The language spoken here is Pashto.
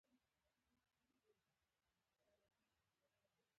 ودرېدم د هغه لاس مې ونيو.